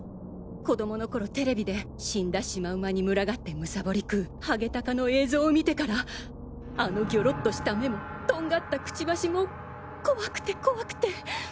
子供の頃テレビで死んだシマウマに群がって貪り食うハゲタカの映像を観てからあのギョロっとした目もとんがったクチバシも怖くて怖くて。